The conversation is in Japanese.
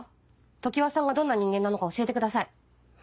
常葉さんがどんな人間なのか教えてください。